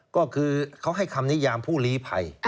ก็คือเขาให้คำนิยามผู้ลีภัย